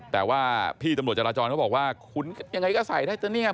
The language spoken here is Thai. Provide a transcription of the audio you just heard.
แต่ว่าพี่ตำรวจจราจรเขาบอกว่าคุณยังไงก็ใส่ได้แต่นี่ไง